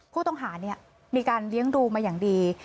ผู้ต้องหามีการเลี้ยงดูมาอย่างดี